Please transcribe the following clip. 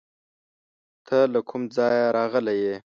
ته له کوم ځایه راغلی یې؟